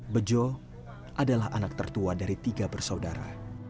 bejo adalah anak tertua dari tiga bersaudara